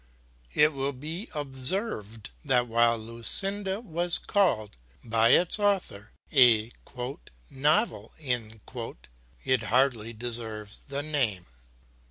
It will be observed that while Lucinda was called by its author a "novel," it hardly deserves that name.